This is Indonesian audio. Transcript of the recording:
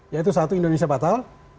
yaitu satu indonesia batal